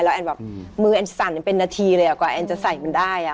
แล้วแอนแบบมือแอนสั่นเป็นนาทีเลยอ่ะกว่าแอนจะใส่มันได้อ่ะ